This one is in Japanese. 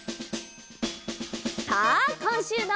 さあこんしゅうの。